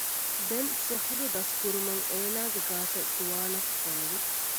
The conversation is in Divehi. ދެން ސިޙުރު ދަސްކުރުމަށް އޭނާގެ ގާތަށް ޒުވާނަކު ފޮނުވި